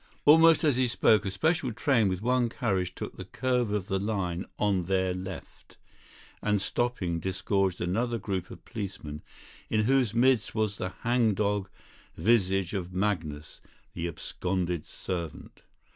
Almost as he spoke a special train with one carriage took the curve of the line on their left, and, stopping, disgorged another group of policemen, in whose midst was the hangdog visage of Magnus, the absconded servant.